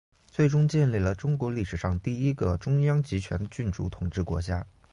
最终建立了中国历史上第一个中央集权君主统治国家。